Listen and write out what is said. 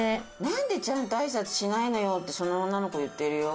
「なんでちゃんとあいさつしないのよ」ってその女の子言ってるよ。